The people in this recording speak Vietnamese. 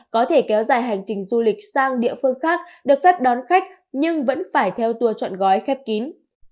có thể kéo dài hành trình du lịch sang địa phương khác được phép đón khách nhưng vẫn phải theo tour chọn gói khép kín